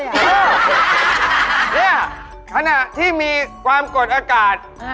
เนี่ยขณะที่มีความกดอากาศ